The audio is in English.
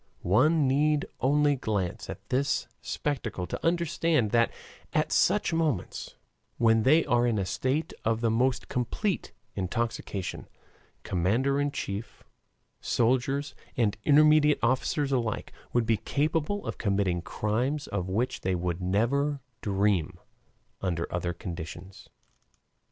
One need only glance at this spectacle to understand that at such moments, when they are in a state of the most complete intoxication, commander in chief, soldiers, and intermediate officers alike, would be capable of committing crimes of which they would never dream under other conditions.